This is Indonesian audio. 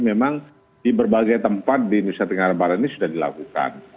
memang di berbagai tempat di nusa tenggara barat ini sudah dilakukan